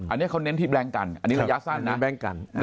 อันนี้เขาเน้นที่แบล็งกันอันนี้ระยะสั้นนะแบงค์กัน